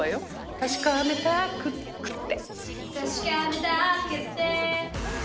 確かめたくって。